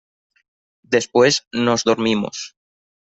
después nos dormimos.